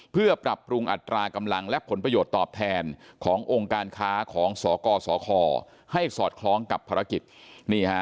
เพื่อปรับปรุงอัตรากำลังและผลประโยชน์ตอบแทนขององค์การค้าของสกสคให้สอดคล้องกับภารกิจนี่ฮะ